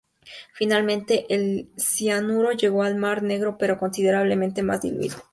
Finalmente el cianuro llegó al Mar Negro pero considerablemente más diluido.